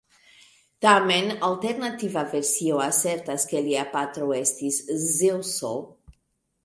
Tamen, alternativa versio asertas ke lia patro estis Zeŭso.